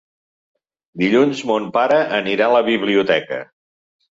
Dilluns mon pare anirà a la biblioteca.